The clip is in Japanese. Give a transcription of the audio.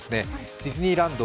ディズニーランド